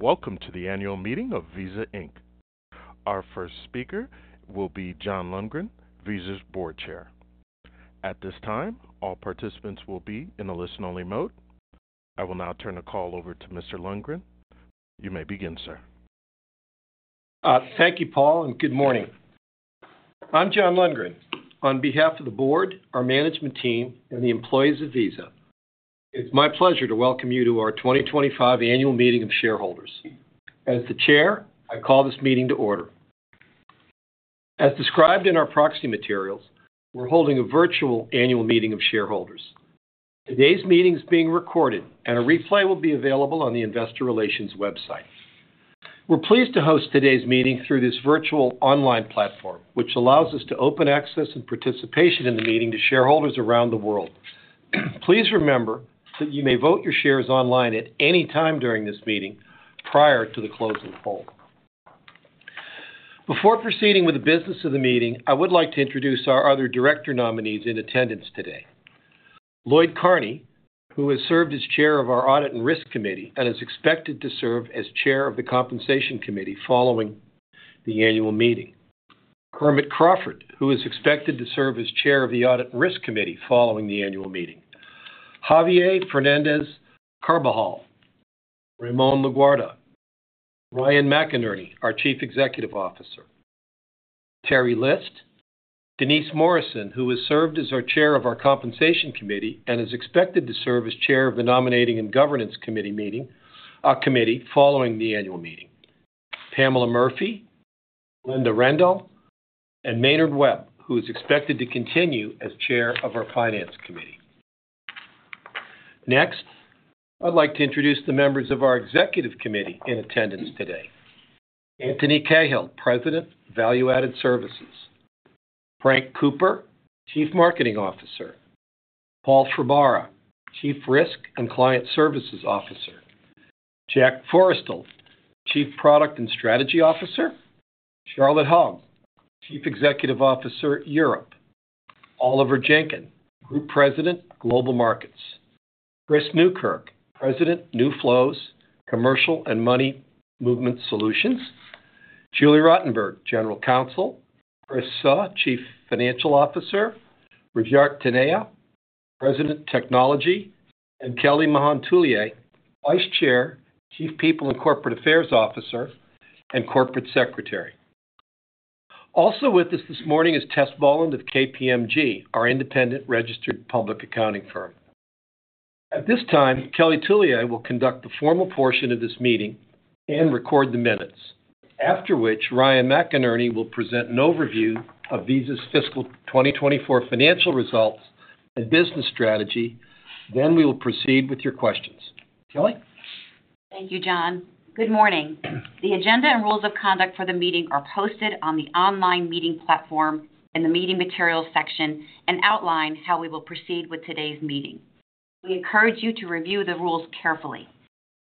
Welcome to the annual meeting of Visa Inc. Our first speaker will be John Lundgren, Visa's Board Chair. At this time, all participants will be in a listen-only mode. I will now turn the call over to Mr. Lundgren. You may begin, sir. Thank you, Paul, and good morning. I'm John Lundgren, on behalf of the Board, our management team, and the employees of Visa. It's my pleasure to welcome you to our 2025 annual meeting of shareholders. As the Chair, I call this meeting to order. As described in our proxy materials, we're holding a virtual annual meeting of shareholders. Today's meeting is being recorded, and a replay will be available on the Investor Relations website. We're pleased to host today's meeting through this virtual online platform, which allows us to open access and participation in the meeting to shareholders around the world. Please remember that you may vote your shares online at any time during this meeting prior to the closing poll. Before proceeding with the business of the meeting, I would like to introduce our other director nominees in attendance today. Lloyd Carney, who has served as chair of our Audit and Risk Committee and is expected to serve as chair of the Compensation Committee following the annual meeting. Kermit Crawford, who is expected to serve as chair of the Audit and Risk Committee following the annual meeting. Javier Fernández-Carbajal, Ramon Laguarta, Ryan McInerney, our Chief Executive Officer. Teri List. Denise Morrison, who has served as our chair of our Compensation Committee and is expected to serve as chair of the Nominating and Governance Committee meeting following the annual meeting. Pamela Murphy. Linda Rendle. And Maynard Webb, who is expected to continue as chair of our Finance Committee. Next, I'd like to introduce the members of our Executive Committee in attendance today. Antony Cahill, President, Value Added Services, Frank Cooper, Chief Marketing Officer, Paul Fabara, Chief Risk and Client Services Officer, Jack Forestell, Chief Product and Strategy Officer, Charlotte Hogg, Chief Executive Officer, Europe, Oliver Jenkyn, Group President, Global Markets, Chris Newkirk, President, New Flows, Commercial and Money Movement Solutions, Julie Rottenberg, General Counsel, Chris Suh, Chief Financial Officer, Rajat Taneja, President, Technology, and Kelly Mahon Tullier, Vice Chair, Chief People and Corporate Affairs Officer, and Corporate Secretary. Also with us this morning is Tess Boland of KPMG, our independent registered public accounting firm. At this time, Kelly Mahon Tullier will conduct the formal portion of this meeting and record the minutes, after which Ryan McInerney will present an overview of Visa's fiscal 2024 financial results and business strategy. Then we will proceed with your questions. Kelly? Thank you, John. Good morning. The agenda and rules of conduct for the meeting are posted on the online meeting platform in the Meeting Materials section and outline how we will proceed with today's meeting. We encourage you to review the rules carefully.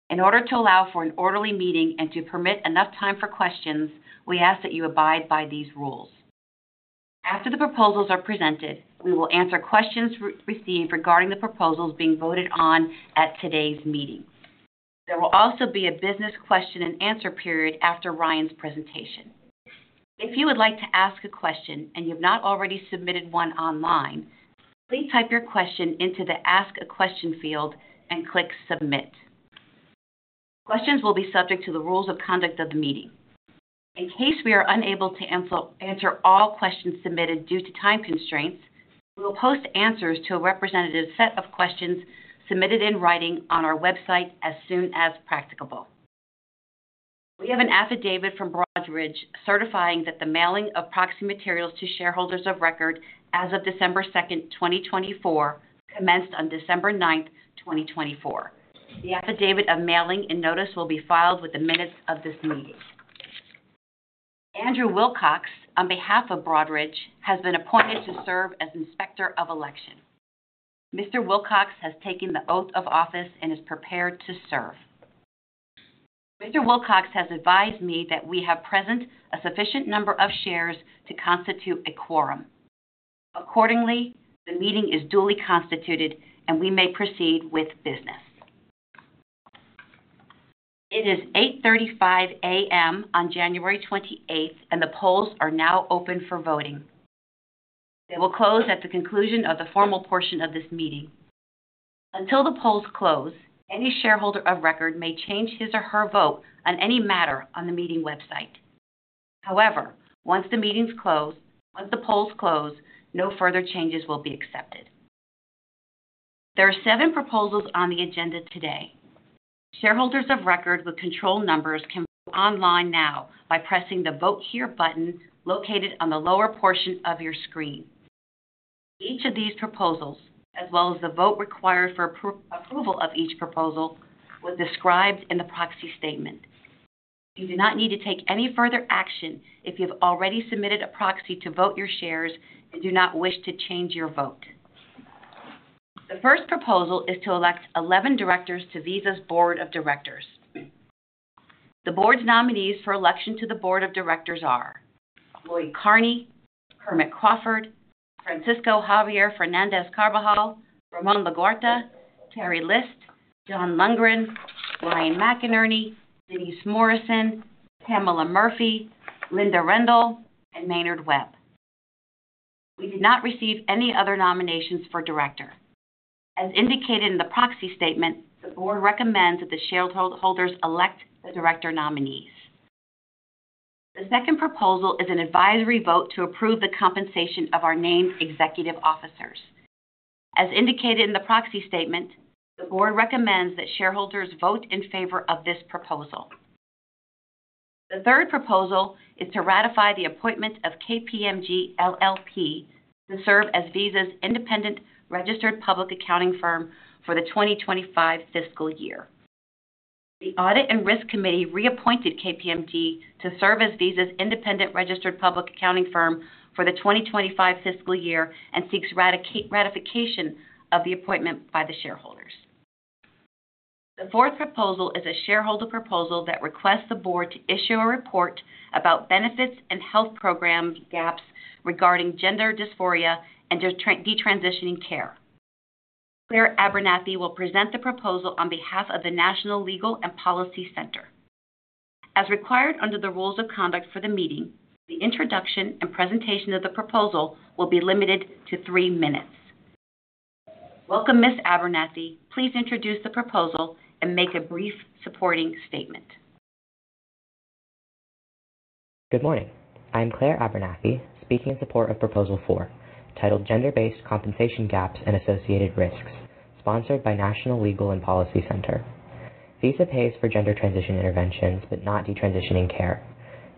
In order to allow for an orderly meeting and to permit enough time for questions, we ask that you abide by these rules. After the proposals are presented, we will answer questions received regarding the proposals being voted on at today's meeting. There will also be a business question and answer period after Ryan's presentation. If you would like to ask a question and you have not already submitted one online, please type your question into the "Ask a Question" field and click "Submit". Questions will be subject to the rules of conduct of the meeting. In case we are unable to answer all questions submitted due to time constraints, we will post answers to a representative set of questions submitted in writing on our website as soon as practicable. We have an affidavit from Broadridge certifying that the mailing of proxy materials to shareholders of record as of December 2, 2024, commenced on December 9, 2024. The affidavit of mailing and notice will be filed with the minutes of this meeting. Andrew Wilcox, on behalf of Broadridge, has been appointed to serve as Inspector of Election. Mr. Wilcox has taken the oath of office and is prepared to serve. Mr. Wilcox has advised me that we have present a sufficient number of shares to constitute a quorum. Accordingly, the meeting is duly constituted, and we may proceed with business. It is 8:35 A.M. on January 28, and the polls are now open for voting. They will close at the conclusion of the formal portion of this meeting. Until the polls close, any shareholder of record may change his or her vote on any matter on the meeting website. However, once the meetings close, once the polls close, no further changes will be accepted. There are seven proposals on the agenda today. Shareholders of record with control numbers can vote online now by pressing the "Vote Here" button located on the lower portion of your screen. Each of these proposals, as well as the vote required for approval of each proposal, was described in the proxy statement. You do not need to take any further action if you have already submitted a proxy to vote your shares and do not wish to change your vote. The first proposal is to elect 11 Directors to Visa's Board of Directors. The Board's nominees for election to the Board of Directors are Lloyd Carney, Kermit Crawford, Francisco Javier Fernández-Carbajal, Ramon Laguarta, Teri List, John Lundgren, Ryan McInerney, Denise Morrison, Pamela Murphy, Linda Rendle, and Maynard Webb. We did not receive any other nominations for director. As indicated in the proxy statement, the Board recommends that the shareholders elect the Director nominees. The second proposal is an advisory vote to approve the compensation of our named executive officers. As indicated in the proxy statement, the Board recommends that shareholders vote in favor of this proposal. The third proposal is to ratify the appointment of KPMG LLP to serve as Visa's independent registered public accounting firm for the 2025 fiscal year. The Audit and Risk Committee reappointed KPMG to serve as Visa's independent registered public accounting firm for the 2025 fiscal year and seeks ratification of the appointment by the shareholders. The fourth proposal is a shareholder proposal that requests the Board to issue a report about benefits and health program gaps regarding gender dysphoria and detransitioning care. Claire Abernathy will present the proposal on behalf of the National Legal and Policy Center. As required under the rules of conduct for the meeting, the introduction and presentation of the proposal will be limited to three minutes. Welcome, Ms. Abernathy. Please introduce the proposal and make a brief supporting statement. Good morning. I'm Claire Abernathy, speaking in support of proposal four, titled Gender-Based Compensation Gaps and Associated Risks, sponsored by National Legal and Policy Center. Visa pays for gender transition interventions but not detransitioning care.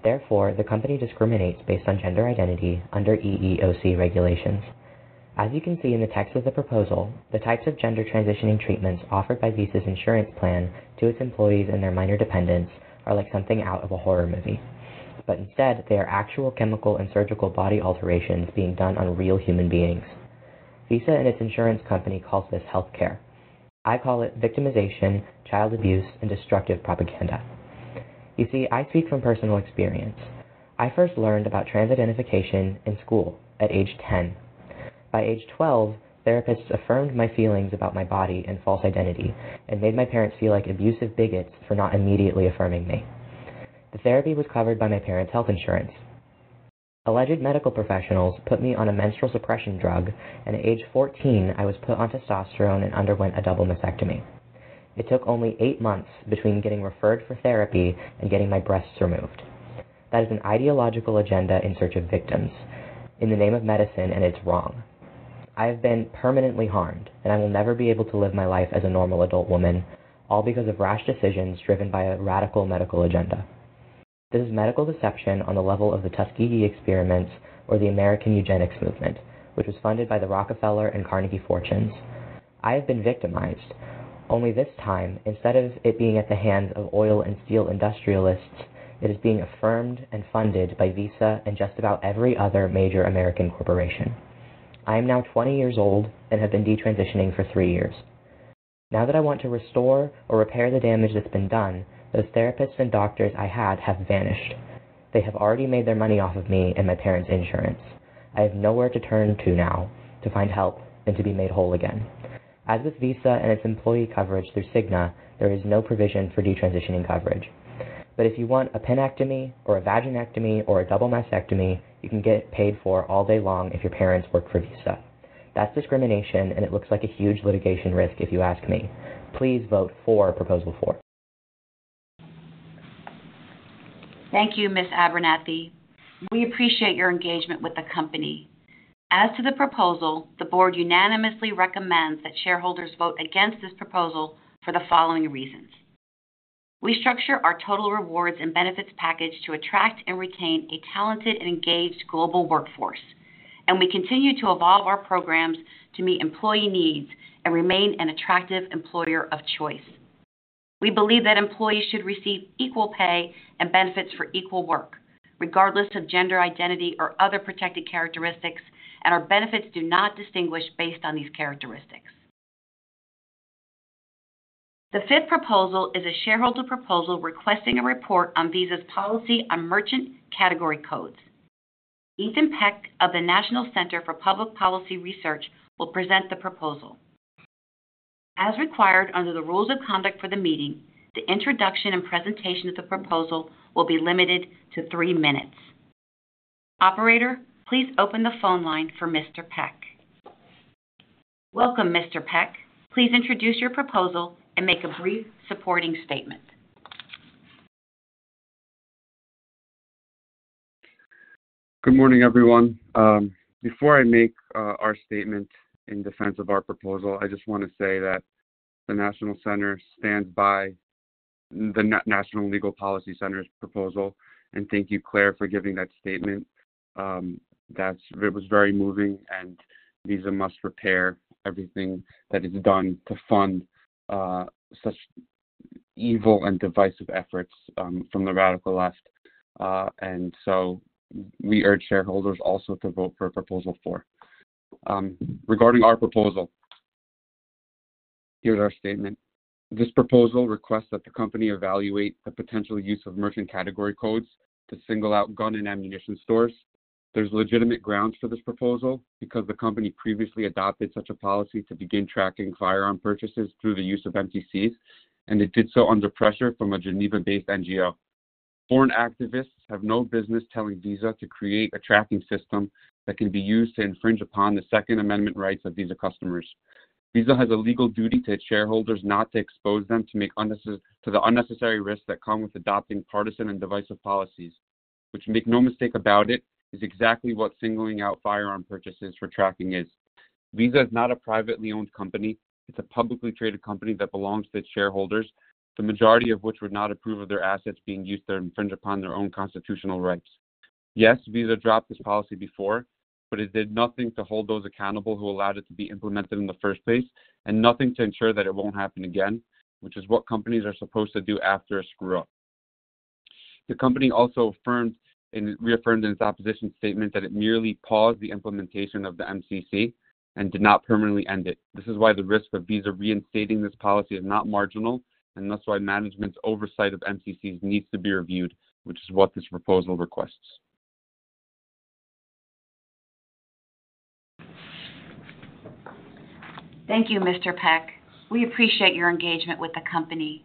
Therefore, the company discriminates based on gender identity under EEOC regulations. As you can see in the text of the proposal, the types of gender transitioning treatments offered by Visa's insurance plan to its employees and their minor dependents are like something out of a horror movie. But instead, they are actual chemical and surgical body alterations being done on real human beings. Visa and its insurance company calls this health care. I call it victimization, child abuse, and destructive propaganda. You see, I speak from personal experience. I first learned about trans identification in school at age 10. By age 12, therapists affirmed my feelings about my body and false identity and made my parents feel like abusive bigots for not immediately affirming me. The therapy was covered by my parents' health insurance. Alleged medical professionals put me on a menstrual suppression drug, and at age 14, I was put on testosterone and underwent a double mastectomy. It took only eight months between getting referred for therapy and getting my breasts removed. That is an ideological agenda in search of victims in the name of medicine, and it's wrong. I have been permanently harmed, and I will never be able to live my life as a normal adult woman, all because of rash decisions driven by a radical medical agenda. This is medical deception on the level of the Tuskegee experiments or the American eugenics movement, which was funded by the Rockefeller and Carnegie fortunes. I have been victimized. Only this time, instead of it being at the hands of oil and steel industrialists, it is being affirmed and funded by Visa and just about every other major American corporation. I am now 20 years old and have been detransitioning for three years. Now that I want to restore or repair the damage that's been done, those therapists and doctors I had have vanished. They have already made their money off of me and my parents' insurance. I have nowhere to turn to now to find help and to be made whole again. As with Visa and its employee coverage through Cigna, there is no provision for detransitioning coverage. But if you want a penectomy or a vaginectomy or a double mastectomy, you can get paid for all day long if your parents work for Visa. That's discrimination, and it looks like a huge litigation risk if you ask me. Please vote for proposal four. Thank you, Ms. Abernathy. We appreciate your engagement with the company. As to the proposal, the Board unanimously recommends that shareholders vote against this proposal for the following reasons. We structure our total rewards and benefits package to attract and retain a talented and engaged global workforce, and we continue to evolve our programs to meet employee needs and remain an attractive employer of choice. We believe that employees should receive equal pay and benefits for equal work, regardless of gender identity or other protected characteristics, and our benefits do not distinguish based on these characteristics. The fifth proposal is a shareholder proposal requesting a report on Visa's policy on Merchant Category Codes. Ethan Peck of the National Center for Public Policy Research will present the proposal. As required under the rules of conduct for the meeting, the introduction and presentation of the proposal will be limited to three minutes. Operator, please open the phone line for Mr. Peck. Welcome, Mr. Peck. Please introduce your proposal and make a brief supporting statement. Good morning, everyone. Before I make our statement in defense of our proposal, I just want to say that the National Center stands by the National Legal and Policy Center's proposal and thank you, Claire, for giving that statement. That was very moving, and Visa must repair everything that is done to fund such evil and divisive efforts from the radical left, and so we urge shareholders also to vote for proposal four. Regarding our proposal, here's our statement. This proposal requests that the company evaluate the potential use of Merchant Category Codes to single out gun and ammunition stores. There's legitimate grounds for this proposal because the company previously adopted such a policy to begin tracking firearm purchases through the use of MCCs, and it did so under pressure from a Geneva-based NGO. Foreign activists have no business telling Visa to create a tracking system that can be used to infringe upon the Second Amendment rights of Visa customers. Visa has a legal duty to its shareholders not to expose them to the unnecessary risks that come with adopting partisan and divisive policies, which, make no mistake about it, is exactly what singling out firearm purchases for tracking is. Visa is not a privately owned company. It's a publicly traded company that belongs to its shareholders, the majority of which would not approve of their assets being used to infringe upon their own constitutional rights. Yes, Visa dropped this policy before, but it did nothing to hold those accountable who allowed it to be implemented in the first place and nothing to ensure that it won't happen again, which is what companies are supposed to do after a screw-up. The company also reaffirmed in its opposition statement that it merely paused the implementation of the MCC and did not permanently end it. This is why the risk of Visa reinstating this policy is not marginal, and that's why management's oversight of MCCs needs to be reviewed, which is what this proposal requests. Thank you, Mr. Peck. We appreciate your engagement with the company.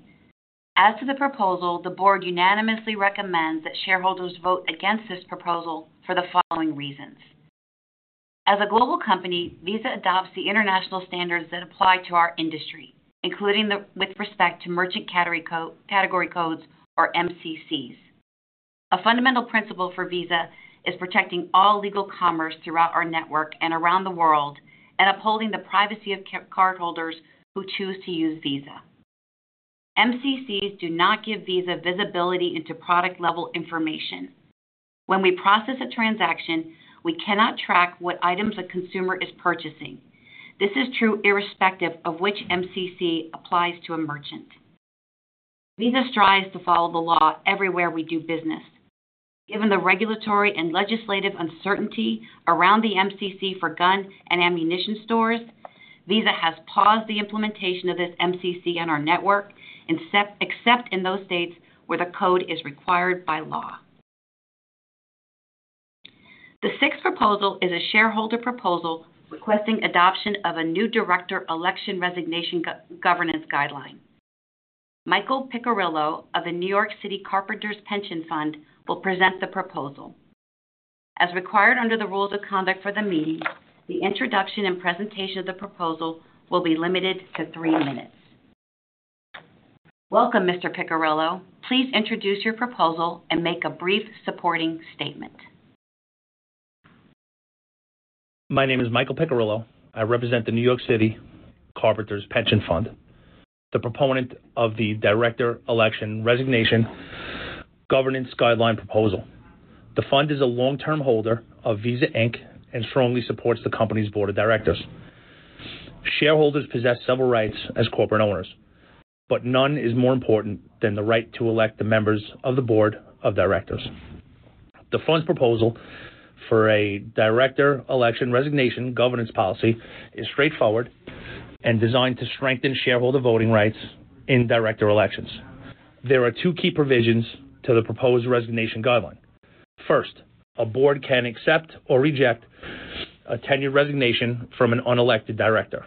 As to the proposal, the Board unanimously recommends that shareholders vote against this proposal for the following reasons. As a global company, Visa adopts the international standards that apply to our industry, including with respect to Merchant Category Codes or MCCs. A fundamental principle for Visa is protecting all legal commerce throughout our network and around the world and upholding the privacy of cardholders who choose to use Visa. MCCs do not give Visa visibility into product-level information. When we process a transaction, we cannot track what items a consumer is purchasing. This is true irrespective of which MCC applies to a merchant. Visa strives to follow the law everywhere we do business. Given the regulatory and legislative uncertainty around the MCC for gun and ammunition stores, Visa has paused the implementation of this MCC on our network except in those states where the code is required by law. The sixth proposal is a shareholder proposal requesting adoption of a new Director Election Resignation Governance Guideline. Michael Piccirillo of the New York City Carpenters Pension Fund will present the proposal. As required under the rules of conduct for the meeting, the introduction and presentation of the proposal will be limited to three minutes. Welcome, Mr. Piccirillo. Please introduce your proposal and make a brief supporting statement. My name is Michael Piccirillo. I represent the New York City Carpenters Pension Fund. The proponent of the Director Election Resignation Governance Guideline proposal. The fund is a long-term holder of Visa Inc. and strongly supports the company's Board of Directors. Shareholders possess several rights as corporate owners, but none is more important than the right to elect the members of the Board of Directors. The fund's proposal for a Director Election Resignation Governance policy is straightforward and designed to strengthen shareholder voting rights in director elections. There are two key provisions to the proposed resignation guideline. First, a Board can accept or reject a tenured resignation from an unelected director,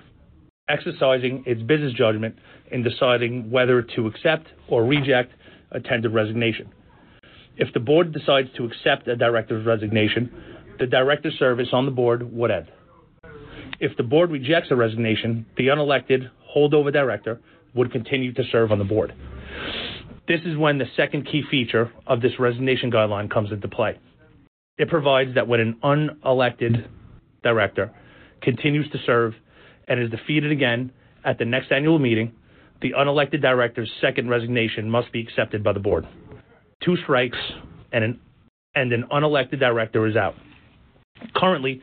exercising its business judgment in deciding whether to accept or reject a tenured resignation. If the Board decides to accept a director's resignation, the director service on the Board would end. If the board rejects a resignation, the unelected holdover director would continue to serve on the Board. This is when the second key feature of this resignation guideline comes into play. It provides that when an unelected director continues to serve and is defeated again at the next annual meeting, the unelected director's second resignation must be accepted by the Board. Two strikes and an unelected director is out. Currently,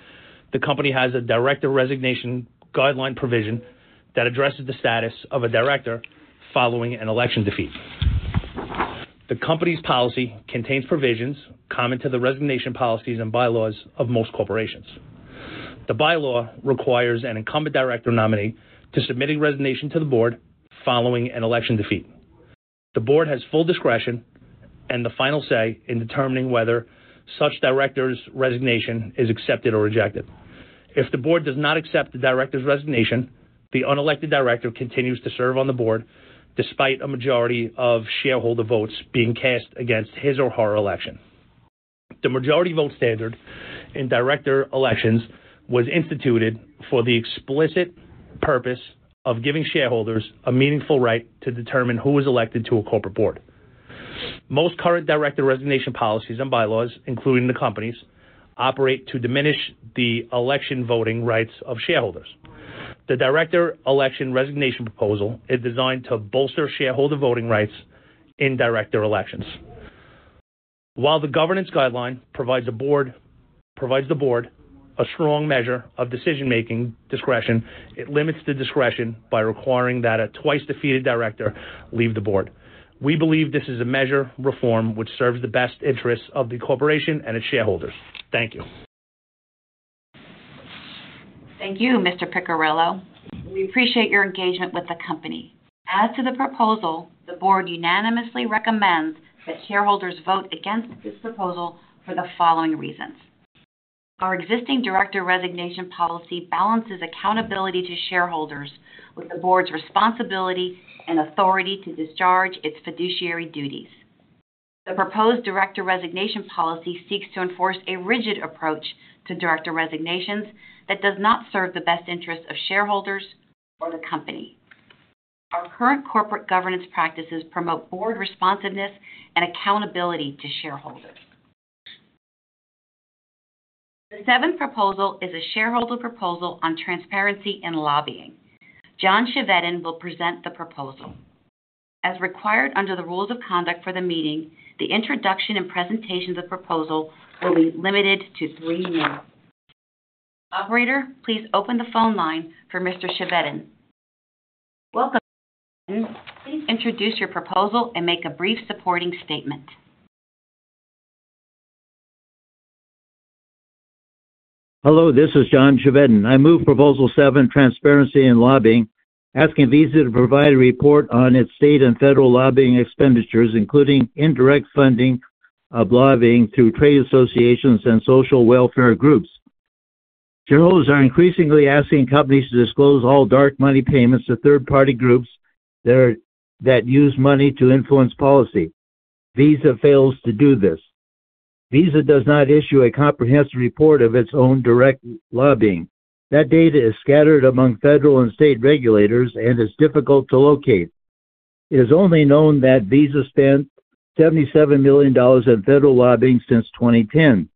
the company has a Director Resignation Guideline provision that addresses the status of a director following an election defeat. The company's policy contains provisions common to the resignation policies and bylaws of most corporations. The bylaw requires an incumbent director nominee to submit a resignation to the Board following an election defeat. The board has full discretion and the final say in determining whether such director's resignation is accepted or rejected. If the board does not accept the director's resignation, the unelected director continues to serve on the Board despite a majority of shareholder votes being cast against his or her election. The majority vote standard in director elections was instituted for the explicit purpose of giving shareholders a meaningful right to determine who is elected to a corporate Board. Most current director resignation policies and bylaws, including the company's, operate to diminish the election voting rights of shareholders. The director election resignation proposal is designed to bolster shareholder voting rights in director elections. While the governance guideline provides the Board a strong measure of decision-making discretion, it limits the discretion by requiring that a twice-defeated director leave the Board. We believe this is a measure reform which serves the best interests of the corporation and its shareholders. Thank you. Thank you, Mr. Piccirillo. We appreciate your engagement with the company. As to the proposal, the Board unanimously recommends that shareholders vote against this proposal for the following reasons. Our existing director resignation policy balances accountability to shareholders with the Board's responsibility and authority to discharge its fiduciary duties. The proposed director resignation policy seeks to enforce a rigid approach to director resignations that does not serve the best interests of shareholders or the company. Our current corporate governance practices promote Board responsiveness and accountability to shareholders. The seventh proposal is a shareholder proposal on transparency and lobbying. John Chevedden will present the proposal. As required under the rules of conduct for the meeting, the introduction and presentation of the proposal will be limited to three minutes. Operator, please open the phone line for Mr. Chevedden. Welcome. Please introduce your proposal and make a brief supporting statement. Hello, this is John Chevedden. I move proposal seven, transparency and lobbying, asking Visa to provide a report on its state and federal lobbying expenditures, including indirect funding of lobbying through trade associations and social welfare groups. Shareholders are increasingly asking companies to disclose all dark money payments to third-party groups that use money to influence policy. Visa fails to do this. Visa does not issue a comprehensive report of its own direct lobbying. That data is scattered among federal and state regulators and is difficult to locate. It is only known that Visa spent $77 million in Federal Lobbying since 2010,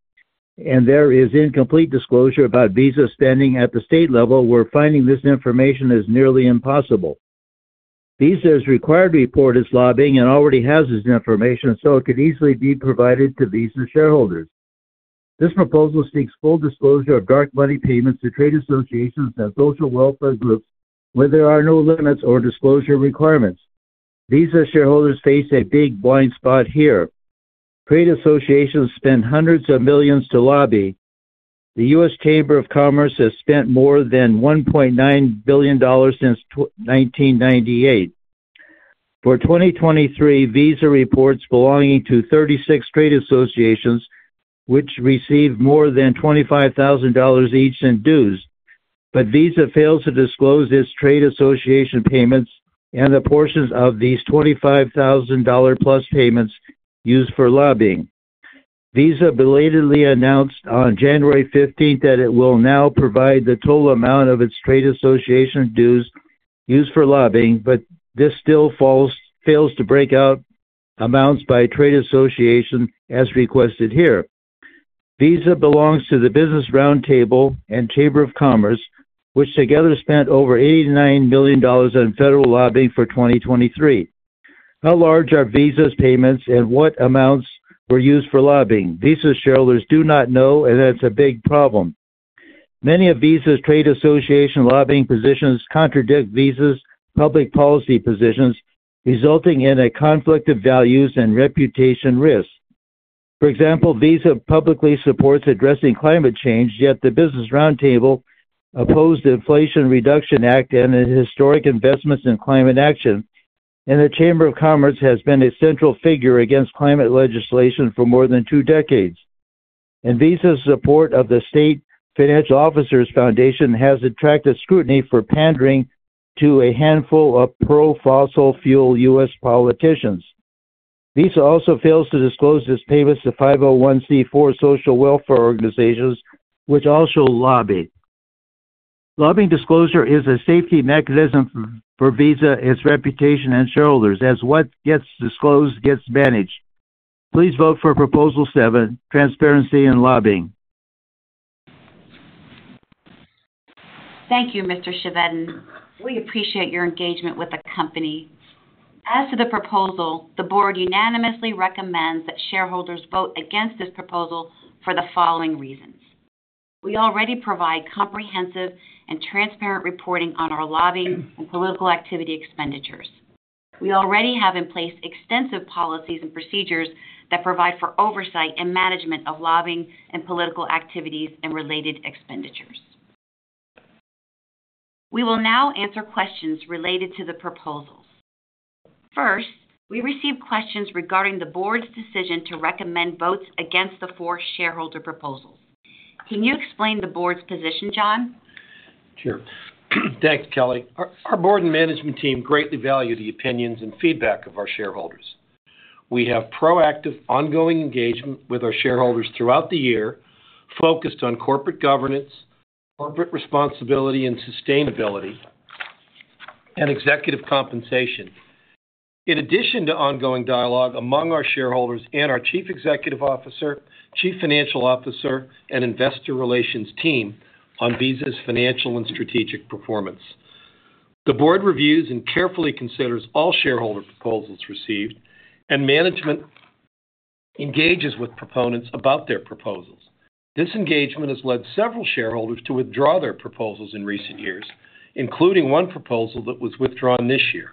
and there is incomplete disclosure about Visa spending at the state level, where finding this information is nearly impossible. Visa is required to report its lobbying and already has this information, so it could easily be provided to Visa shareholders. This proposal seeks full disclosure of dark money payments to trade associations and social welfare groups, where there are no limits or disclosure requirements. Visa shareholders face a big blind spot here. Trade associations spend hundreds of millions to lobby. The U.S. Chamber of Commerce has spent more than $1.9 billion since 1998. For 2023, Visa reports belonging to 36 trade associations which receive more than $25,000 each in dues, but Visa fails to disclose its trade association payments and the portions of these $25,000+ payments used for lobbying. Visa belatedly announced on January 15th that it will now provide the total amount of its trade association dues used for lobbying, but this still fails to break out amounts by trade association as requested here. Visa belongs to the Business Roundtable and Chamber of Commerce, which together spent over $89 million in Federal Lobbying for 2023. How large are Visa's payments and what amounts were used for lobbying? Visa shareholders do not know, and that's a big problem. Many of Visa's trade association lobbying positions contradict Visa's public policy positions, resulting in a conflict of values and reputation risk. For example, Visa publicly supports addressing climate change, yet the Business Roundtable opposed the Inflation Reduction Act and historic investments in climate action, and the Chamber of Commerce has been a central figure against climate legislation for more than two decades, and Visa's support of the State Financial Officers Foundation has attracted scrutiny for pandering to a handful of pro-fossil fuel U.S. politicians. Visa also fails to disclose its payments to 501(c)(4) social welfare organizations, which also lobby. Lobbying disclosure is a safety mechanism for Visa, its reputation, and shareholders, as what gets disclosed gets managed. Please vote for proposal seven, Transparency and Lobbying. Thank you, Mr. Chevedden. We appreciate your engagement with the company. As to the proposal, the Board unanimously recommends that shareholders vote against this proposal for the following reasons. We already provide comprehensive and transparent reporting on our lobbying and political activity expenditures. We already have in place extensive policies and procedures that provide for oversight and management of lobbying and political activities and related expenditures. We will now answer questions related to the proposals. First, we received questions regarding the Board's decision to recommend votes against the four shareholder proposals. Can you explain the Board's position, John? Sure. Thanks, Kelly. Our Board and management team greatly value the opinions and feedback of our shareholders. We have proactive ongoing engagement with our shareholders throughout the year, focused on corporate governance, corporate responsibility and sustainability, and executive compensation. In addition to ongoing dialogue among our shareholders and our Chief Executive Officer, Chief Financial Officer, and Investor Relations team on Visa's financial and strategic performance. The Board reviews and carefully considers all shareholder proposals received, and management engages with proponents about their proposals. This engagement has led several shareholders to withdraw their proposals in recent years, including one proposal that was withdrawn this year.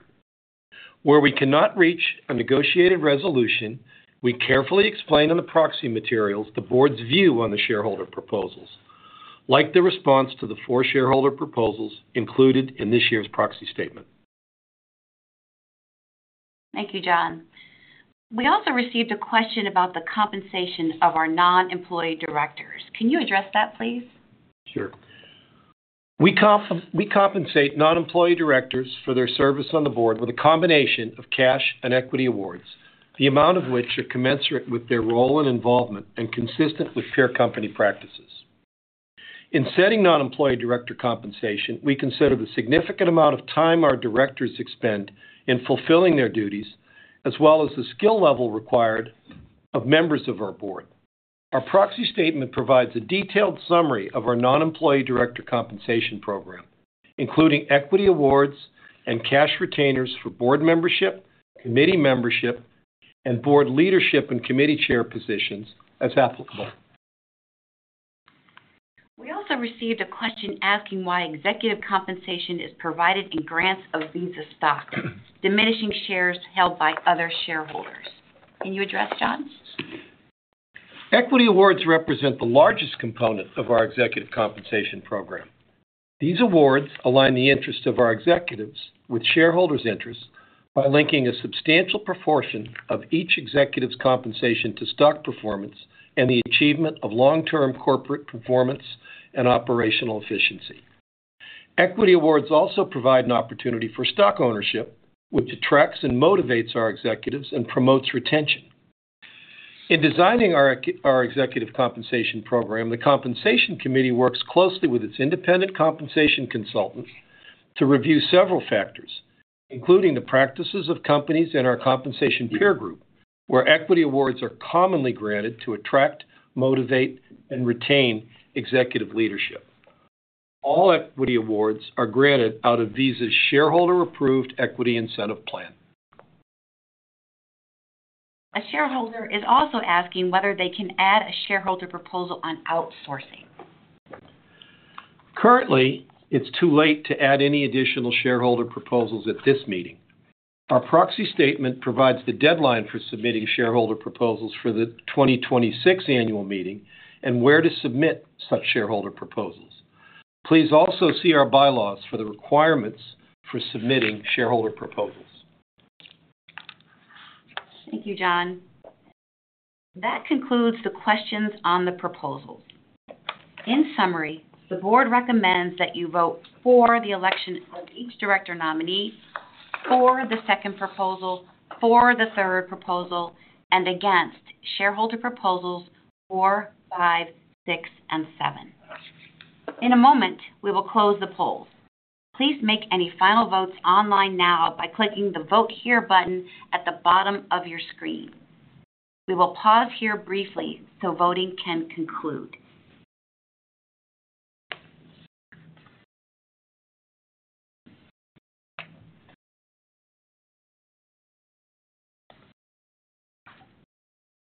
Where we cannot reach a negotiated resolution, we carefully explain in the proxy materials the Board's view on the shareholder proposals, like the response to the four shareholder proposals included in this year's proxy statement. Thank you, John. We also received a question about the compensation of our non-employee directors. Can you address that, please? Sure. We compensate non-employee directors for their service on the Board with a combination of cash and equity awards, the amount of which are commensurate with their role and involvement and consistent with fair company practices. In setting non-employee director compensation, we consider the significant amount of time our directors expend in fulfilling their duties, as well as the skill level required of members of our Board. Our proxy statement provides a detailed summary of our Non-Employee Director Compensation Program, including equity awards and cash retainers for Board membership, committee membership, and board leadership and committee chair positions as applicable. We also received a question asking why executive compensation is provided in grants of Visa stock, diminishing shares held by other shareholders. Can you address, John? Equity awards represent the largest component of our Executive Compensation Program. These awards align the interests of our executives with shareholders' interests by linking a substantial proportion of each executive's compensation to stock performance and the achievement of long-term corporate performance and operational efficiency. Equity awards also provide an opportunity for stock ownership, which attracts and motivates our executives and promotes retention. In designing our executive compensation program, the compensation committee works closely with its independent compensation consultants to review several factors, including the practices of companies and our compensation peer group, where equity awards are commonly granted to attract, motivate, and retain executive leadership. All equity awards are granted out of Visa's shareholder-approved equity incentive plan. A shareholder is also asking whether they can add a shareholder proposal on outsourcing. Currently, it's too late to add any additional shareholder proposals at this meeting. Our proxy statement provides the deadline for submitting shareholder proposals for the 2026 annual meeting and where to submit such shareholder proposals. Please also see our bylaws for the requirements for submitting shareholder proposals. Thank you, John. That concludes the questions on the proposals. In summary, the Board recommends that you vote for the election of each Director nominee, for the second proposal, for the third proposal, and against shareholder proposals four, five, six, and seven. In a moment, we will close the polls. Please make any final votes online now by clicking the "Vote Here" button at the bottom of your screen. We will pause here briefly so voting can conclude.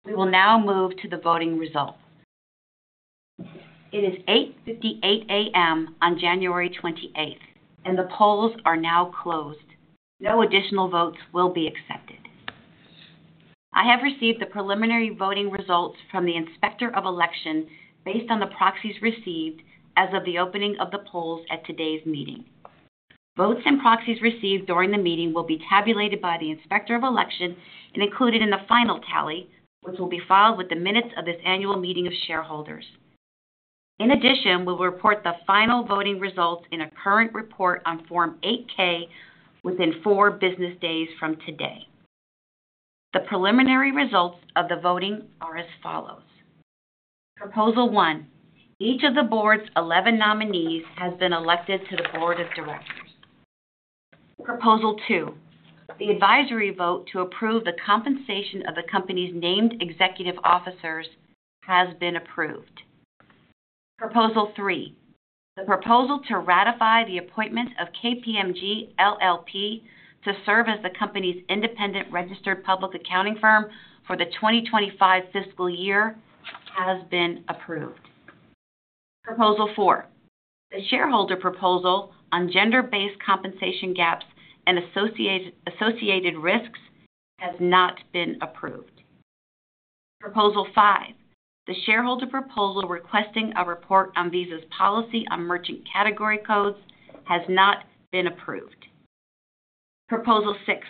We will now move to the voting results. It is 8:58 A.M. on January 28th, and the polls are now closed. No additional votes will be accepted. I have received the preliminary voting results from the inspector of election based on the proxies received as of the opening of the polls at today's meeting. Votes and proxies received during the meeting will be tabulated by the inspector of election and included in the final tally, which will be filed with the minutes of this annual meeting of shareholders. In addition, we will report the final voting results in a current report on Form 8-K within four business days from today. The preliminary results of the voting are as follows. Proposal one. Each of the Board's 11 nominees has been elected to the Board of Directors. Proposal two. The advisory vote to approve the compensation of the company's named Executive Officers has been approved. Proposal three. The proposal to ratify the appointment of KPMG LLP to serve as the company's independent registered public accounting firm for the 2025 fiscal year has been approved. Proposal four. The shareholder proposal on Gender-based Compensation Gaps and Associated Risks has not been approved. Proposal five. The shareholder proposal requesting a report on Visa's policy on Merchant Category Codes has not been approved. Proposal six.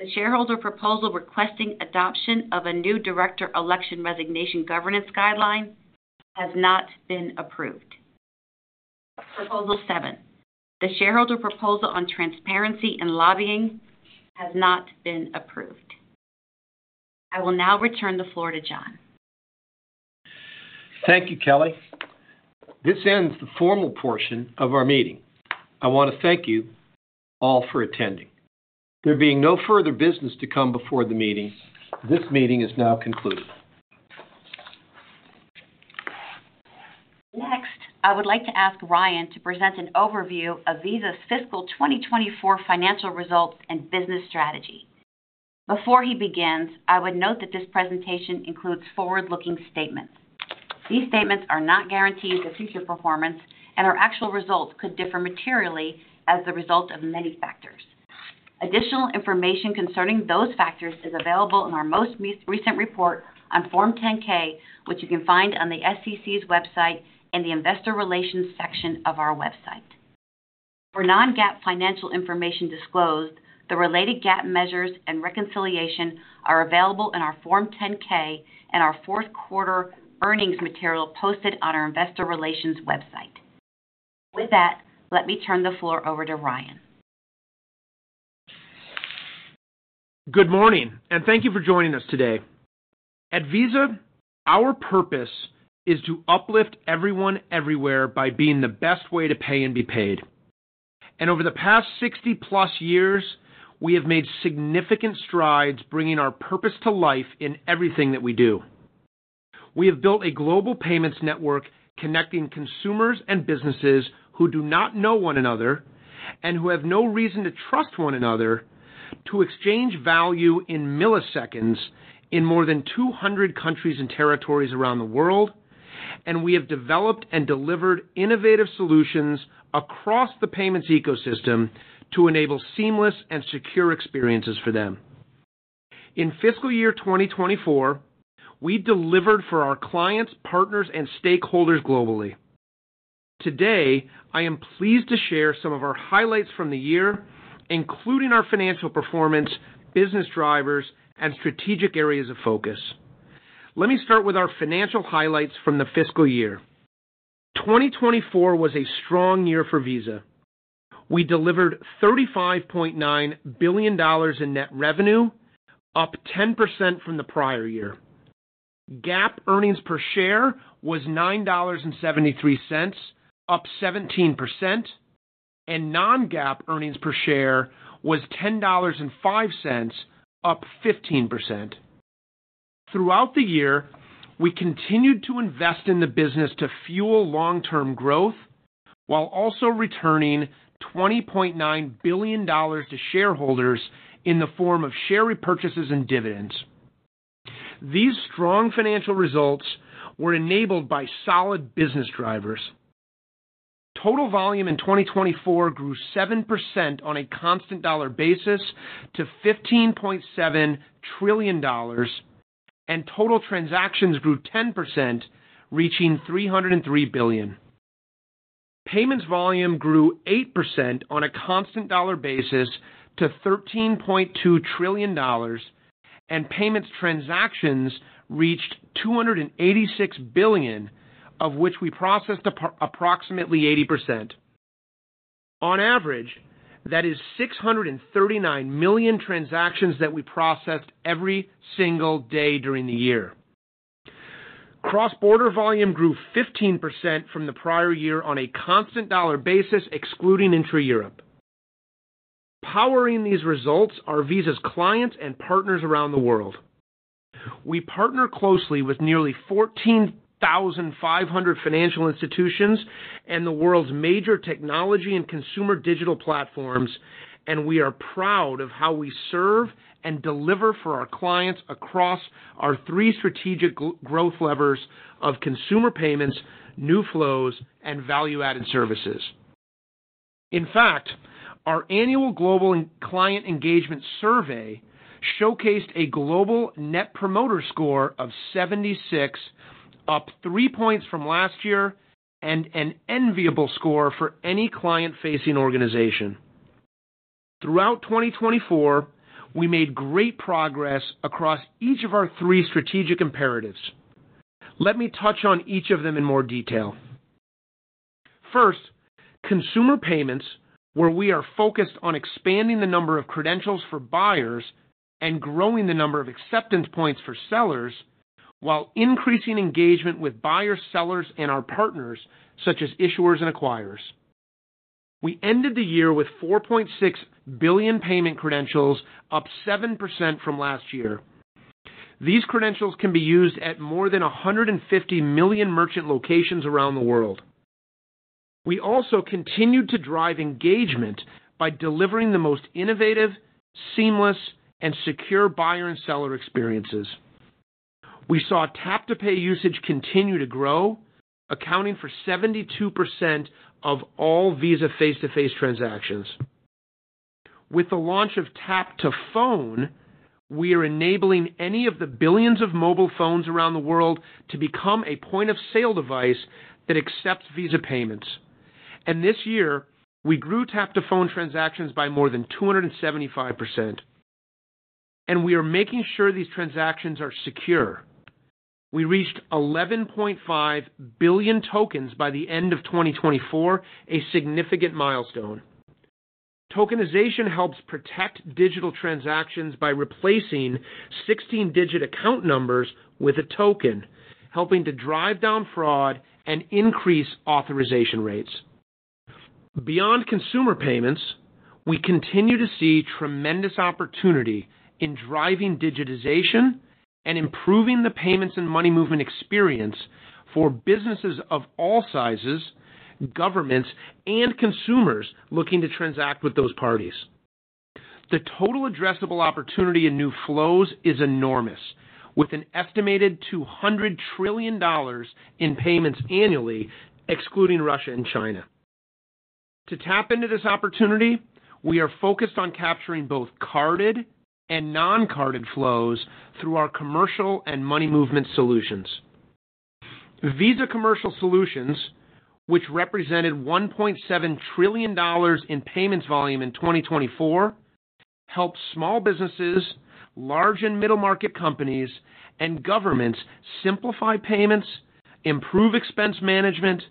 The shareholder proposal requesting adoption of a new Director Election Resignation Governance Guideline has not been approved. Proposal seven. The shareholder proposal on Transparency and Lobbying has not been approved. I will now return the floor to John. Thank you, Kelly. This ends the formal portion of our meeting. I want to thank you all for attending. There being no further business to come before the meeting, this meeting is now concluded. Next, I would like to ask Ryan to present an overview of Visa's fiscal 2024 financial results and business strategy. Before he begins, I would note that this presentation includes forward-looking statements. These statements are not guarantees of future performance, and our actual results could differ materially as the result of many factors. Additional information concerning those factors is available in our most recent report on Form 10-K, which you can find on the SEC's website in the Investor Relations section of our website. For non-GAAP financial information disclosed, the related GAAP measures and reconciliation are available in our Form 10-K and our fourth quarter earnings material posted on our Investor Relations website. With that, let me turn the floor over to Ryan. Good morning, and thank you for joining us today. At Visa, our purpose is to uplift everyone everywhere by being the best way to pay and be paid. And over the past 60+ years, we have made significant strides bringing our purpose to life in everything that we do. We have built a global payments network connecting consumers and businesses who do not know one another and who have no reason to trust one another to exchange value in milliseconds in more than 200 countries and territories around the world. And we have developed and delivered innovative solutions across the payments ecosystem to enable seamless and secure experiences for them. In fiscal year 2024, we delivered for our clients, partners, and stakeholders globally. Today, I am pleased to share some of our highlights from the year, including our financial performance, business drivers, and strategic areas of focus. Let me start with our financial highlights from the fiscal year. 2024 was a strong year for Visa. We delivered $35.9 billion in net revenue, up 10% from the prior year. GAAP earnings per share was $9.73, up 17%, and non-GAAP earnings per share was $10.05, up 15%. Throughout the year, we continued to invest in the business to fuel long-term growth while also returning $20.9 billion to shareholders in the form of share repurchases and dividends. These strong financial results were enabled by solid business drivers. Total volume in 2024 grew 7% on a constant dollar basis to $15.7 trillion, and total transactions grew 10%, reaching 303 billion. Payments volume grew 8% on a constant dollar basis to $13.2 trillion, and payments transactions reached 286 billion, of which we processed approximately 80%. On average, that is 639 million transactions that we processed every single day during the year. Cross-border volume grew 15% from the prior year on a constant dollar basis, excluding intra-Europe. Powering these results are Visa's clients and partners around the world. We partner closely with nearly 14,500 financial institutions and the world's major technology and consumer digital platforms, and we are proud of how we serve and deliver for our clients across our three strategic growth levers of consumer payments, new flows, and value-added services. In fact, our annual global client engagement survey showcased a global Net Promoter Score of 76, up three points from last year, and an enviable score for any client-facing organization. Throughout 2024, we made great progress across each of our three strategic imperatives. Let me touch on each of them in more detail. First, consumer payments, where we are focused on expanding the number of credentials for buyers and growing the number of acceptance points for sellers, while increasing engagement with buyers, sellers, and our partners, such as issuers and acquirers. We ended the year with 4.6 billion payment credentials, up 7% from last year. These credentials can be used at more than 150 million merchant locations around the world. We also continued to drive engagement by delivering the most innovative, seamless, and secure buyer and seller experiences. We saw Tap to Pay usage continue to grow, accounting for 72% of all Visa face-to-face transactions. With the launch of Tap to Phone, we are enabling any of the billions of mobile phones around the world to become a point-of-sale device that accepts Visa payments. And this year, we grew Tap to Phone transactions by more than 275%. And we are making sure these transactions are secure. We reached 11.5 billion tokens by the end of 2024, a significant milestone. Tokenization helps protect digital transactions by replacing 16-digit account numbers with a token, helping to drive down fraud and increase authorization rates. Beyond consumer payments, we continue to see tremendous opportunity in driving digitization and improving the payments and money movement experience for businesses of all sizes, governments, and consumers looking to transact with those parties. The total addressable opportunity in new flows is enormous, with an estimated $200 trillion in payments annually, excluding Russia and China. To tap into this opportunity, we are focused on capturing both carded and non-carded flows through our commercial and money movement solutions. Visa Commercial Solutions, which represented $1.7 trillion in payments volume in 2024, helps small businesses, large and middle-market companies, and governments simplify payments, improve expense management,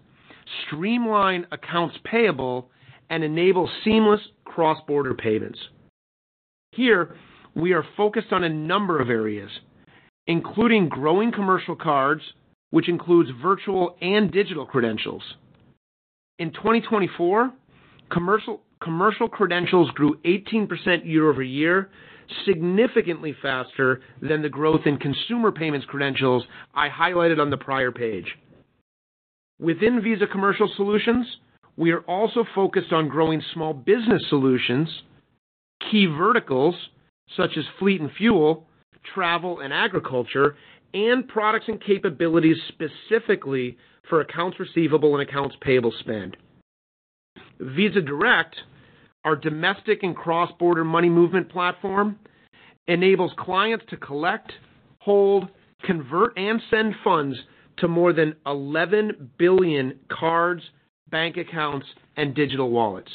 streamline accounts payable, and enable seamless cross-border payments. Here, we are focused on a number of areas, including growing commercial cards, which includes virtual and digital credentials. In 2024, commercial credentials grew 18% year-over-year, significantly faster than the growth in consumer payments credentials I highlighted on the prior page. Within Visa Commercial Solutions, we are also focused on growing small business solutions, key verticals such as fleet and fuel, travel and agriculture, and products and capabilities specifically for accounts receivable and accounts payable spend. Visa Direct, our domestic and cross-border money movement platform, enables clients to collect, hold, convert, and send funds to more than 11 billion cards, bank accounts, and digital wallets.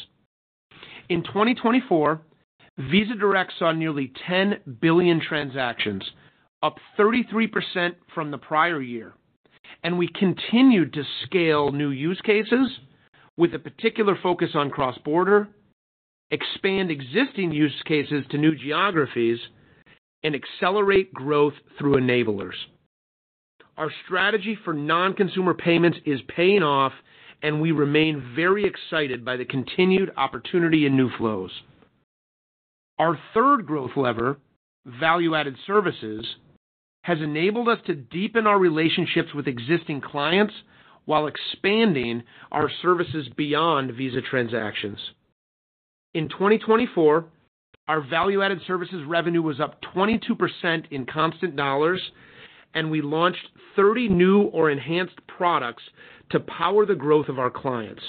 In 2024, Visa Direct saw nearly 10 billion transactions, up 33% from the prior year, and we continue to scale new use cases with a particular focus on cross-border, expand existing use cases to new geographies, and accelerate growth through enablers. Our strategy for non-consumer payments is paying off, and we remain very excited by the continued opportunity in new flows. Our third growth lever, value-added services, has enabled us to deepen our relationships with existing clients while expanding our services beyond Visa transactions. In 2024, our value-added services revenue was up 22% in constant dollars, and we launched 30 new or enhanced products to power the growth of our clients.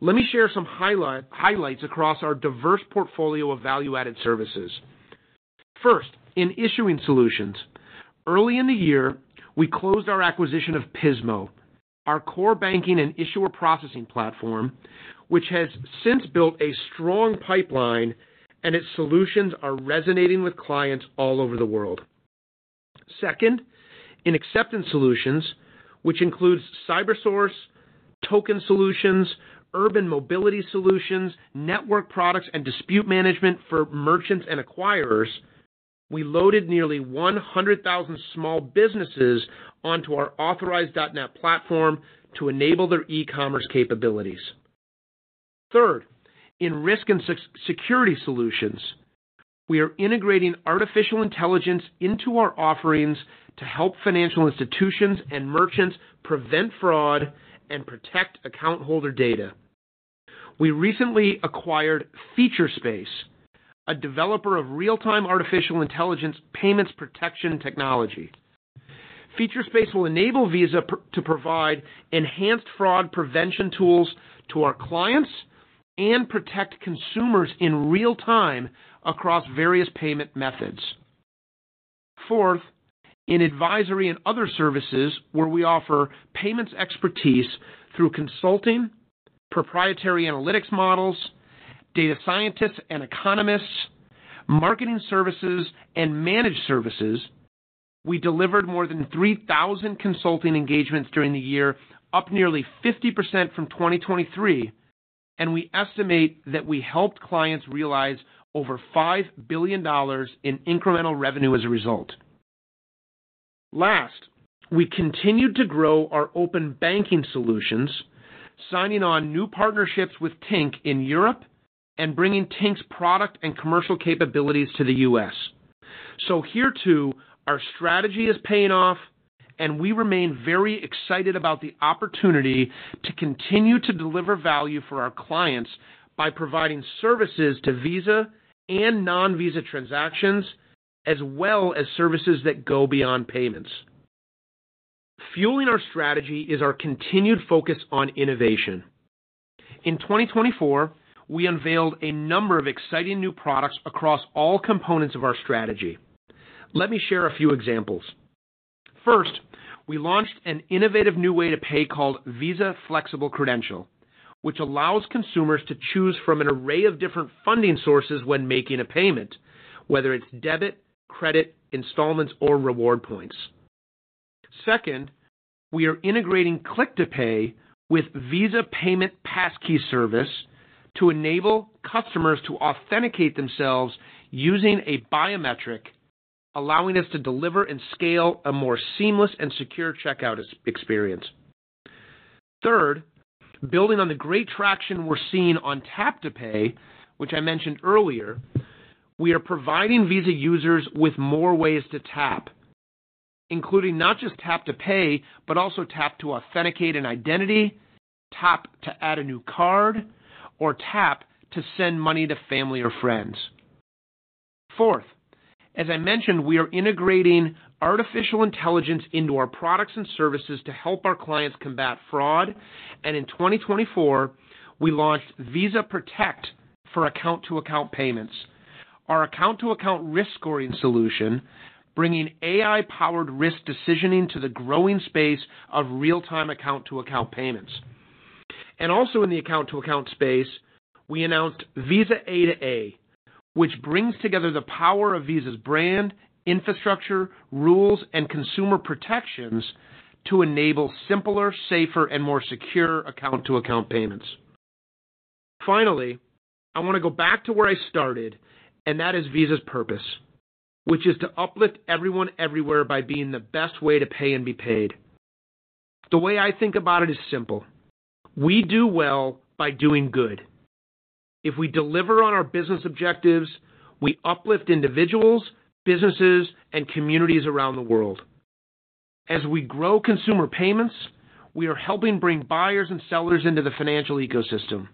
Let me share some highlights across our diverse portfolio of value-added services. First, in issuing solutions, early in the year, we closed our acquisition of Pismo, our core banking and issuer processing platform, which has since built a strong pipeline, and its solutions are resonating with clients all over the world. Second, in acceptance solutions, which includes Cybersource, token solutions, urban mobility solutions, network products, and dispute management for merchants and acquirers, we loaded nearly 100,000 small businesses onto our Authorize.net platform to enable their e-commerce capabilities. Third, in risk and security solutions, we are integrating artificial intelligence into our offerings to help financial institutions and merchants prevent fraud and protect account holder data. We recently acquired Featurespace, a developer of real-time artificial intelligence payments protection technology. Featurespace will enable Visa to provide enhanced fraud prevention tools to our clients and protect consumers in real time across various payment methods. Fourth, in advisory and other services where we offer payments expertise through consulting, proprietary analytics models, data scientists and economists, marketing services, and managed services, we delivered more than 3,000 consulting engagements during the year, up nearly 50% from 2023, and we estimate that we helped clients realize over $5 billion in incremental revenue as a result. Last, we continued to grow our open banking solutions, signing on new partnerships with Tink in Europe and bringing Tink's product and commercial capabilities to the U.S. So here, too, our strategy is paying off, and we remain very excited about the opportunity to continue to deliver value for our clients by providing services to Visa and non-Visa transactions, as well as services that go beyond payments. Fueling our strategy is our continued focus on innovation. In 2024, we unveiled a number of exciting new products across all components of our strategy. Let me share a few examples. First, we launched an innovative new way to pay called Visa Flexible Credential, which allows consumers to choose from an array of different funding sources when making a payment, whether it's debit, credit, installments, or reward points. Second, we are integrating Click to Pay with Visa Payment Passkey Service to enable customers to authenticate themselves using a biometric, allowing us to deliver and scale a more seamless and secure checkout experience. Third, building on the great traction we're seeing on Tap to Pay, which I mentioned earlier, we are providing Visa users with more ways to tap, including not just Tap to Pay, but also tap-to-authenticate an identity, tap-to-add a new card, or tap-to-send money to family or friends. Fourth, as I mentioned, we are integrating artificial intelligence into our products and services to help our clients combat fraud. In 2024, we launched Visa Protect for Account-to-Account Payments, our Account-to-Account Risk Scoring Solution, bringing AI-powered risk decisioning to the growing space of real-time Account-to-Account Payments. Also in the Account-to-Account space, we announced Visa A2A, which brings together the power of Visa's brand, infrastructure, rules, and consumer protections to enable simpler, safer, and more secure account-to-account payments. Finally, I want to go back to where I started, and that is Visa's purpose, which is to uplift everyone everywhere by being the best way to pay and be paid. The way I think about it is simple. We do well by doing good. If we deliver on our business objectives, we uplift individuals, businesses, and communities around the world. As we grow consumer payments, we are helping bring buyers and sellers into the financial ecosystem.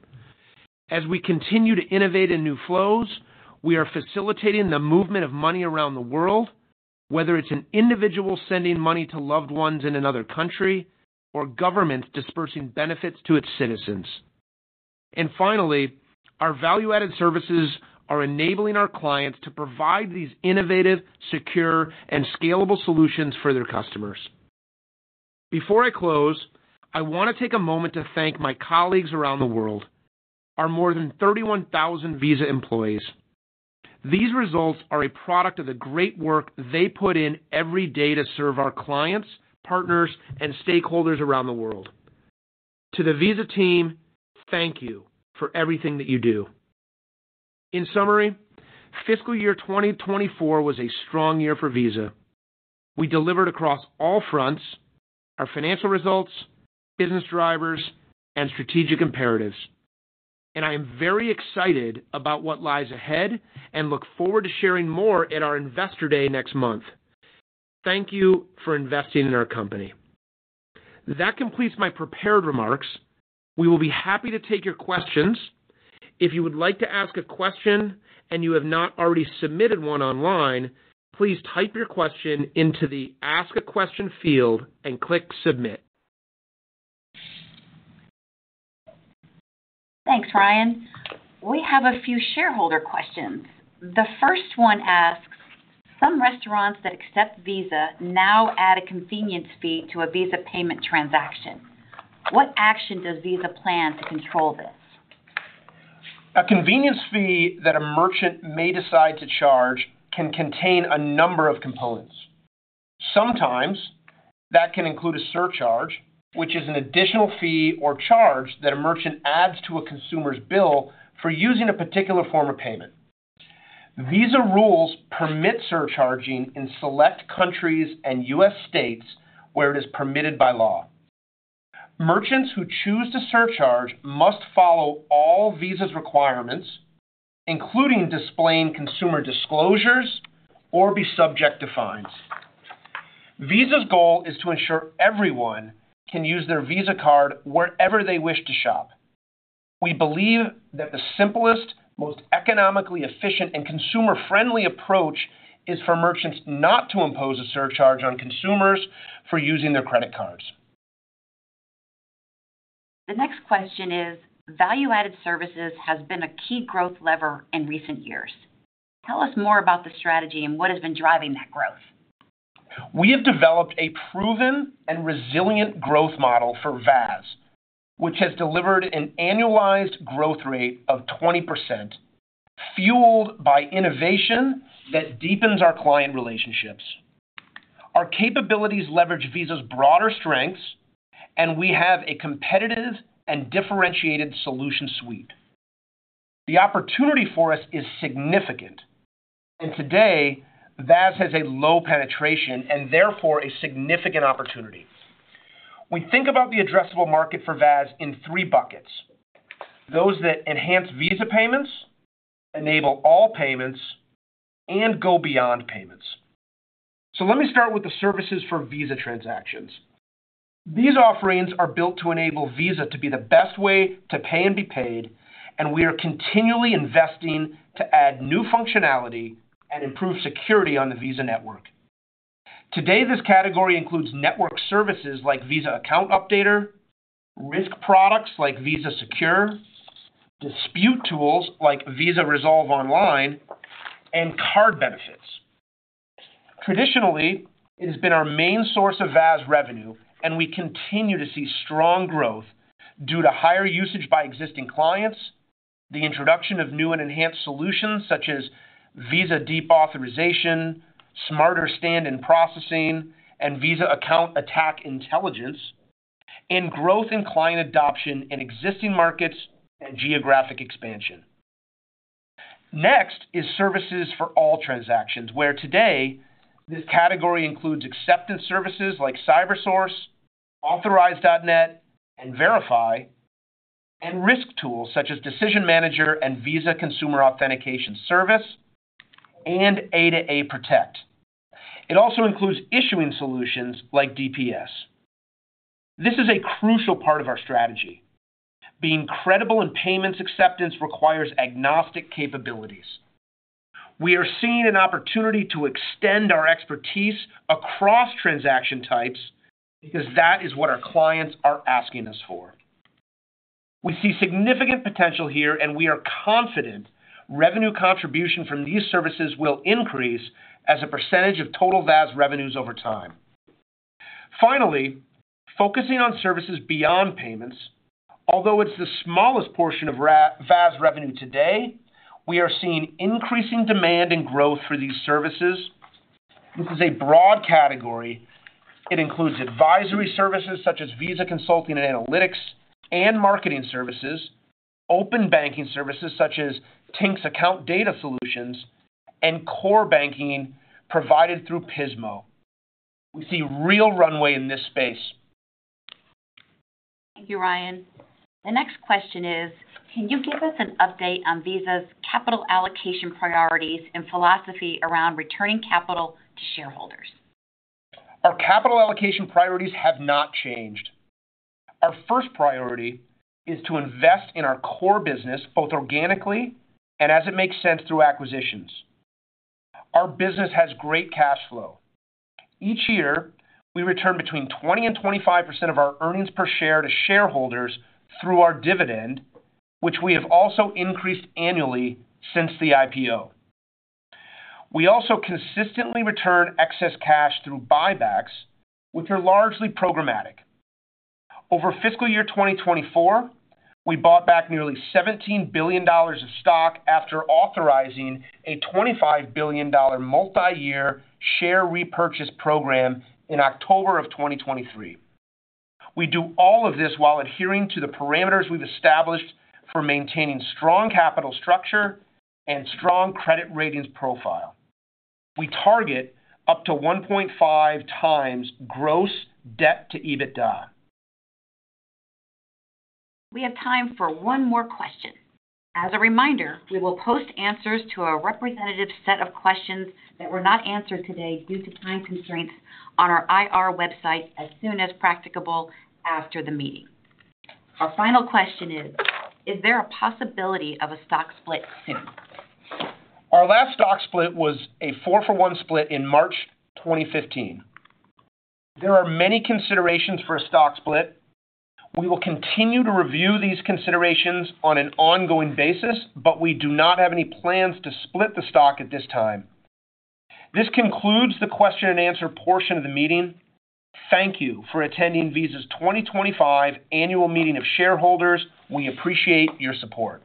As we continue to innovate in new flows, we are facilitating the movement of money around the world, whether it's an individual sending money to loved ones in another country or governments dispersing benefits to its citizens. And finally, our value-added services are enabling our clients to provide these innovative, secure, and scalable solutions for their customers. Before I close, I want to take a moment to thank my colleagues around the world, our more than 31,000 Visa employees. These results are a product of the great work they put in every day to serve our clients, partners, and stakeholders around the world. To the Visa team, thank you for everything that you do. In summary, fiscal year 2024 was a strong year for Visa. We delivered across all fronts: our financial results, business drivers, and strategic imperatives. I am very excited about what lies ahead and look forward to sharing more at our Investor Day next month. Thank you for investing in our company. That completes my prepared remarks. We will be happy to take your questions. If you would like to ask a question and you have not already submitted one online, please type your question into the "Ask a Question" field and click "Submit". Thanks, Ryan. We have a few shareholder questions. The first one asks, "Some restaurants that accept Visa now add a convenience fee to a Visa payment transaction. What action does Visa plan to control this?" A convenience fee that a merchant may decide to charge can contain a number of components. Sometimes that can include a surcharge, which is an additional fee or charge that a merchant adds to a consumer's bill for using a particular form of payment. Visa rules permit surcharging in select countries and U.S. states where it is permitted by law. Merchants who choose to surcharge must follow all Visa's requirements, including displaying consumer disclosures or be subject to fines. Visa's goal is to ensure everyone can use their Visa card wherever they wish to shop. We believe that the simplest, most economically efficient, and consumer-friendly approach is for merchants not to impose a surcharge on consumers for using their credit cards. The next question is, "Value-added services has been a key growth lever in recent years. Tell us more about the strategy and what has been driving that growth." We have developed a proven and resilient growth model for VAS, which has delivered an annualized growth rate of 20%, fueled by innovation that deepens our client relationships. Our capabilities leverage Visa's broader strengths, and we have a competitive and differentiated solution suite. The opportunity for us is significant, and today, VAS has a low penetration and therefore a significant opportunity. We think about the addressable market for VAS in three buckets. Those that enhance Visa payments, enable all payments, and go beyond payments. So let me start with the services for Visa transactions. These offerings are built to enable Visa to be the best way to pay and be paid, and we are continually investing to add new functionality and improve security on the Visa network. Today, this category includes network services like Visa Account Updater, risk products like Visa Secure, dispute tools like Visa Resolve Online, and card benefits. Traditionally, it has been our main source of VAS revenue, and we continue to see strong growth due to higher usage by existing clients, the introduction of new and enhanced solutions such as Visa Deep Authorization, Smarter Stand-in Processing, and Visa Account Attack Intelligence, and growth in client adoption in existing markets and geographic expansion. Next is services for all transactions, where today, this category includes acceptance services like Cybersource, Authorize.net, and Verifi, and risk tools such as Decision Manager and Visa Consumer Authentication Service, and A2A Protect. It also includes issuing solutions like DPS. This is a crucial part of our strategy. Being credible in payments acceptance requires agnostic capabilities. We are seeing an opportunity to extend our expertise across transaction types because that is what our clients are asking us for. We see significant potential here, and we are confident revenue contribution from these services will increase as a percentage of total VAS revenues over time. Finally, focusing on services beyond payments, although it's the smallest portion of VAS revenue today, we are seeing increasing demand and growth for these services. This is a broad category. It includes advisory services such as Visa Consulting and Analytics and marketing services, open banking services such as Tink's account data solutions, and core banking provided through Pismo. We see real runway in this space. Thank you, Ryan. The next question is, "Can you give us an update on Visa's capital allocation priorities and philosophy around returning capital to shareholders?" Our capital allocation priorities have not changed. Our first priority is to invest in our core business both organically and, as it makes sense, through acquisitions. Our business has great cash flow. Each year, we return between 20% and 25% of our earnings per share to shareholders through our dividend, which we have also increased annually since the IPO. We also consistently return excess cash through buybacks, which are largely programmatic. Over fiscal year 2024, we bought back nearly $17 billion of stock after authorizing a $25 billion multi-year share repurchase program in October of 2023. We do all of this while adhering to the parameters we've established for maintaining strong capital structure and strong credit ratings profile. We target up to 1.5x gross debt to EBITDA. We have time for one more question. As a reminder, we will post answers to a representative set of questions that were not answered today due to time constraints on our IR website as soon as practicable after the meeting. Our final question is, "Is there a possibility of a stock split soon?" Our last stock split was a four-for-one split in March 2015. There are many considerations for a stock split. We will continue to review these considerations on an ongoing basis, but we do not have any plans to split the stock at this time. This concludes the question-and-answer portion of the meeting. Thank you for attending Visa's 2025 annual meeting of shareholders. We appreciate your support.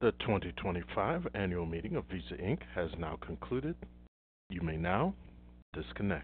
The 2025 annual meeting of Visa Inc. has now concluded. You may now disconnect.